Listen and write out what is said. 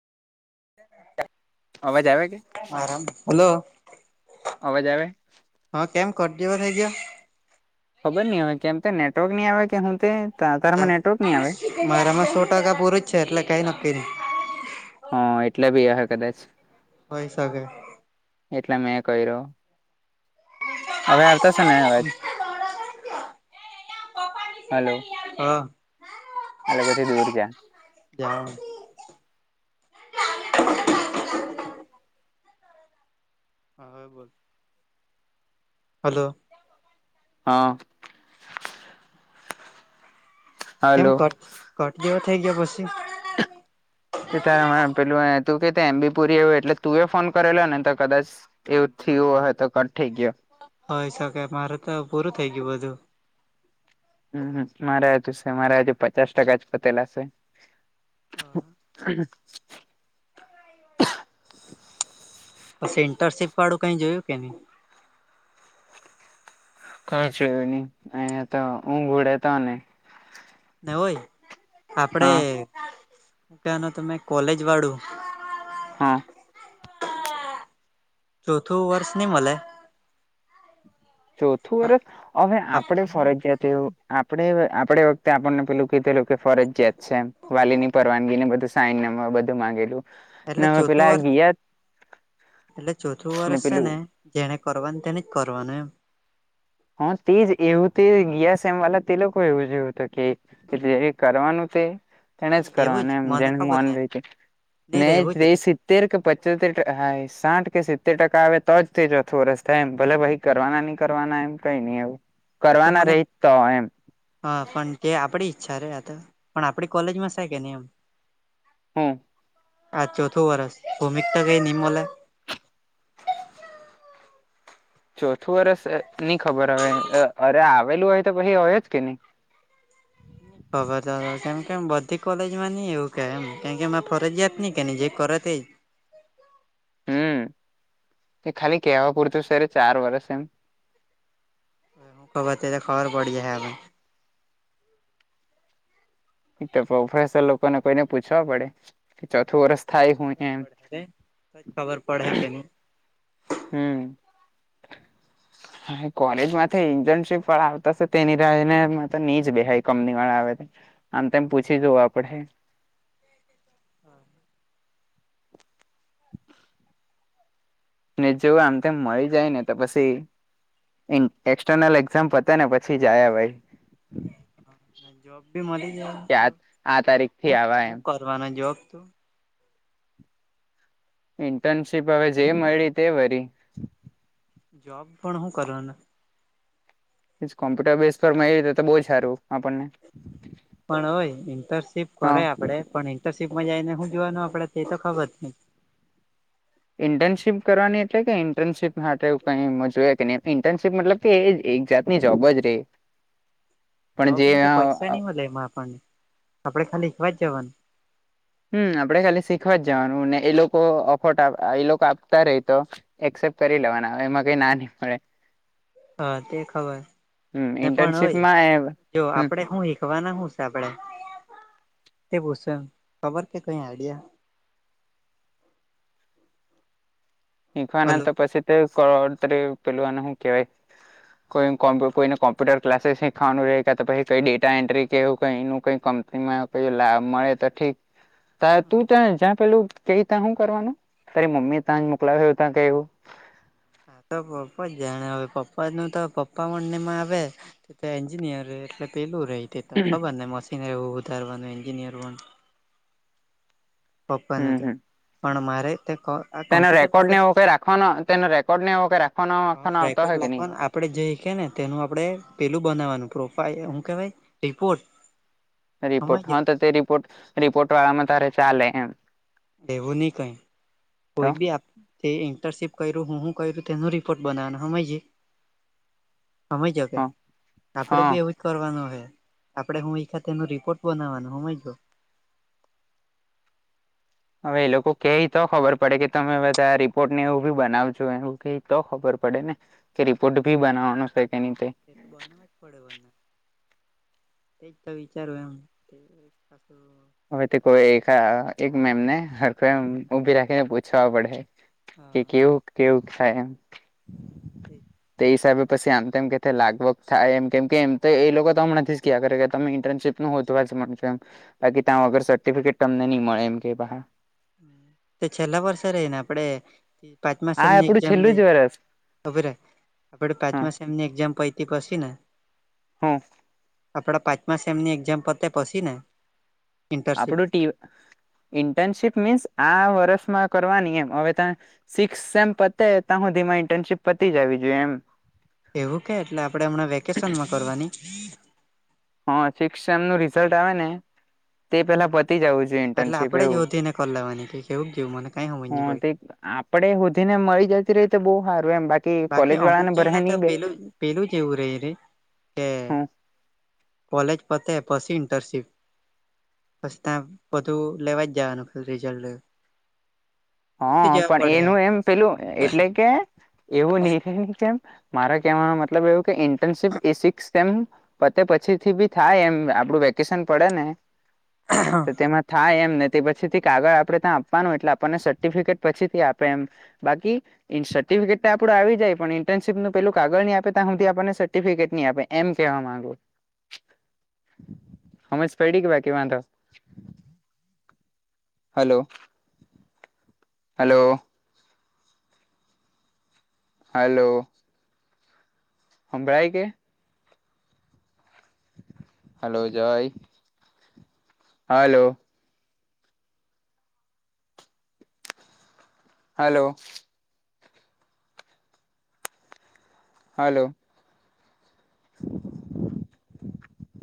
[inaudible] અવાજ આવે કે? આરામ હલો. અવાજ આવે? હ કેમ કટ જેવો થઈ ગ્યો ખબર ની હવે કેમ તે નેટવર્ક નહી આવે કે હું તે તારામાં નેટવર્ક હા, નહી આવે મારામાં સો ટકા પૂરું જ છે, એટલે કઈ નક્કી નહી. હા એટલે બી હયે કદાચ. હોય સકે. એટલા મેં કઈરો. હવે આવતા છે ને અવાજ હલો હા. [unintelligible] [unintelligible] હલો. હા. કેમ હલો કટ કટ થઇ ગયા પછી? સીતારમણ પેલું તું કે એમ બીપુરી એ એટલે તું એ ફોન કરેલો ને તો કદાચ એવું થયું હોય તો કંઠઈ ગયો. હોય શકે, મારે તો પૂરું થઇ ગયું બધું. હમ્મ [unintelligible] જ પટેલા છે. હા. [unintelligible] પછી ઇન્ટર્શિપ વાળું કઈ જોયું કે નહીં? કઈ જોયું નહી અહીયા તો ઊઘોડે તો ને. ને હોય આપડે હા ત્યાં નો તમે કોલેજ વાળું. હા. ચોથું વર્ષ ની મલે. ચોથું વર્ષ હવે આપડે ફરજિયાત તે આપણે આપણે વખતે આપણને પેલું કીધેલુ ફરજ જયાત છે એમ વાલીની. પરવાનગી ને બધું સાઈન બધું માંગેલું. એટલે ને હવે ચોથું પેલા વર્ષ ગયા એટલે ચોથું વર્ષ છે ને. જેને કરવાનું તેને જ કરવાનું એમ. હ તે જ એવું તે ગેસ એમ વાલા તે લોકો એવું જોવું હત કે કે જે કરવાનું તે. તેને જ નહી કરો એવું અને મને જેને ખબર મોન ને જ નહી રે એવું જ રેશ. તેર કે પચોતેર ટકા હ સાઠ કે સિત્તેર ટકા આવે તો જ થ ચોથો વ રસ થાય એમ ભલે ભાઈ કરવાના નહી કરવાના એમ કઈ નહી એ તે તો કરવાના મને રહી જતા હો એમ. હા પણ તે આપડી ઈચ્છા રે આ તો પણ આપણી કોલેજમાં છે કે નહી એમ? હમ્મ. આા ચોથું વરસ ભૂમિકતા કઈ નિમોલ. ચોથું વરષ નઈ ખબર હવે અરે આવેલું હોય તો પછી હોય જ કે નહી. ખબર તો કેમ કે બધી કોલેજ માં નઈ એવું કે એમ કેમ કે એમાં ફરજયાત નહી કે ન જે કરે તે હમ્મ એ ખાલી કેવા પૂરતું સર ચાર વર્ષ એમ. પબતે તો ખબર બડી હ. એ તો પ્રોફસર લોકોને કોઈને પૂછવા પડે? કે ચોથું વરષ થાય હું એમ. જ ખબર પડે કે નહી હમ્મ. હા કોલેજમાંથી ઇન્ટર્નશીપ વા આવતાશે તેની લને ની જ બેહ કંપની વા આવે આમ તેમ પૂછી જવું આપડે. [inaudible] ને જો આમ તેમ મળી જાય ને તો પછી. એક્સટર્નલ એક્ઝામ પતા ને પછી જયા આવીએ. જોબ ભી મળી જાય કે તો આ તારીખ થી આવા એમ હું કરવાના જોબ તો ઇન્ટર્નશીપ હવે જે મળી તે વરી. જોબ પણ હું કરવા? કોમ્પ્યુટર બેઝ પર મળી તો બહ સારું આપણને પણ હોય ઇન્ટર્નશીપ હા કરે આપડે પણ ઇન્ટર્નશીપમાં જઈને શું જોવાનું આપડે તે તો ખબર ન ઇન્ટર્નશીપ કરવાની એટલે કે ઇન્ટર્નશીપ માટે કજ કે? ઇન્ટર્નશીપ મતલબ કે એક જાતની જોબ જ રે. પણ જોબ જે ની તો પૈસા નની હમ મળ લે એમાં આપણને આપડે ખાલી એકવા જ જવાનું. હમ આપડે ખાલી શીખવા જ જવાનું ને એ લોકો અફોટ એ લોકો આપતા રે તો એક્સેપ્ટ કરી લેવાના એમાં કઈ ના નહી મળે હા તે ખબર હમ ને પણ હોય ઇન્ટર્નશીપમાં જો હમ આપડે હું શીખવાના હું છે. આપડે તે પૂછન ખબર કે કંઈ આઈડિયા શીખવાના હલો તો પછી તે કરોડતરી પેલુંને શું કેવાય કોઈ કોઈને કોમ્પુટર ક્લાસ શીખવાનું રહે પછ કઈ ડેટા એન્ટ્રી કેવ કઈ કઈ ક લાભ મળે તો ઠીક. ત તું ત્યા જ્યાં પેલું ક ત્યાં શું કરવાનું તારી મમ્મી ત્યાં જ મોકલાવેું ત્યાં કું હા તો પપ્પા જ જાણે હવે પપ્પા નું તો પપ્પા મંનેમાં આવે તો એન્જિનિયર એટલે પેલું રહી તે તો ખબર ને મશીન એવું ઉધારવાનું એન્જિનિયર પણ પપ્પ ન હમ હતું હમ પણ મારે તે તેનો કોમ્પ્યુટર રેકોર્ડ વાળું ને ઓવ રાખવાનો તેનો રેકોર્ડ ને એવ રાખવાનોખવા આવતા હોય કે નહી આપણે જઈ કે ને તેનું આપણે પેલું બનાવવાનું પ્રોફાાઈલ હું કહેવાય રિપોર્ટ રિપોર્ટ હા સમજ્યા તો તે રિપોર્ટ રિપોર્ટ વાળામાં તારે ચાલે એમ એવું નહી કઈ કોઈ તો બી આપ તે ઇન્ટર્નશિપ કર્યું હું શું કરું તેનો રિપોર્ટ બનાવવા સમય સમયજકે હ આપડે હા બી એવું- કરવાનું હે આપડે હું એ ખાતે ન રિપોર્ટ બનાવવાનો સમજ ગ હવે એ લોકો કે તો ખબર પડે કે તમે બધા રિપોર્ટ ને એવું બી બનાવજો એવું કે તો ખબર પડે ને કે રિપોર્ટ ભી બનાવાનું છે કે નતે. એ તો બનવા જ પડે બંને [unintelligible] તે જ તો વિચારય એમ પાસું [inaudible] હવે તે કોઈ એકા એક મેમને હખ ઉભી રાખીને પૂછવા પડે. કે હા કેવું કેવું થાય એમ. [unintelligible] તે હિસાબે પછી આમ તેમમ કે લાગભગ થાય એમ કેમ કે એમ તો એ લોકો તોમ નથી જ ક્યા કરે કે તમે ઇન્ટર્નશીપ હું હો તો વા જ છું એમ બાકી ત્યાં વગર સર્ટિફિકેટ તમને નહી મળે એમ કે પાહા- તે છેલ્લા વર્ષે રહીને આપડે પાંચમા આ સેમની આપડું એક્ઝામ છેલ્લું લઈ. જ વરસ ખબર હે આપડે હ પાંચમા સેમની એઝામ પતી પસી ને હમ્મ. [inaudible] આપડા પાંચમા સેમ ની એક્ઝામ પતે પછી ને? ઇન્ટર્નશીપ આપડું ટી ઇન્ટર્નશીપ મીન્સ આ વર્ષમાં કરવાની એમ હવે ત્યા. સિક્મ સેમ પતે તા હું ધીમા ઇન્ટર્નશીપ પતી જ જાવી જોઈએ એમ. એવું કે એટલે આપડે હમણાં વેકેશનમાં કરવાની? હા સિક્સ સેમ નું રિઝલ્ટ આવેને તે પેલા પતી જવું છે. એટલે આપણેે જતી એને કરી લવાની કેવું કેયું મને કઈ સમજ હ નહી પડી. તે આપડે સુધી ને મળી જતી રહી તો બહું સારું એમ બાકી. બાકી કોલેજ અમુક વાળાને ભરાય જણા તો નહી બે પેલું પેલું જ એવું રહી રહી કે હમ કોલેજ પતે પછી ઇન્ટર્નશિપ- બસ ત્યાં બધું લેવા જવાનું રિઝલ્ટ- પૂછી હ જવા પણ પડે એનું એમ પેલું એટલે કે એવું નહું રેવુ કેમ મારા કેવા મતલબ એવું કે ઇન્ટર્નશીપ એ સિકસ એમ પતે પછી થી બી થાય એમ આપડું વેકેશન પડે ને- હા તો [inaudible] તેમાં થાય એમ ને તે પછીથી કાગળ આપણે ત્યાં આપવાનું એટલે આપણને સર્ટિફિકેટ પછી થી આપે એમ બાકી સર્ટિફિકેટ તો આપડું આવી જાય પણ ઇન્ટેશિપ નું પેલું કાગળ નહી આપે તો આમ આપણને સર્ટિફિકેટ નઈ આપે એમ કેવા માંગુ હમજ પડી કેવા કે હલો હલો હલો હમણાંય છે. હલો જય હા હલો હલો હલ્લો.